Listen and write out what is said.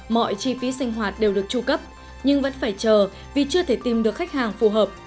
mọi chi phí sinh hoạt đều được tru cấp nhưng vẫn phải chờ vì chưa thể tìm được khách hàng phù hợp